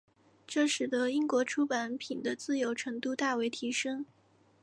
这使得英国出版品的自由程度大为提升。